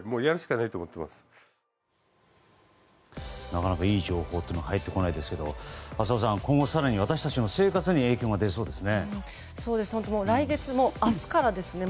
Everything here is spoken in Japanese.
なかなかいい情報は入ってこないですけど浅尾さん、今後更に私たちの生活に来月も、明日からですね